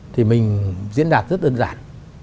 thì mình diễn đạt rất đơn giản